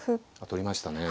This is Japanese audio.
取りましたね。